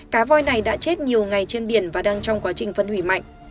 cá voi này đã chết nhiều ngày trên biển và đang trong quá trình phân hủy mạnh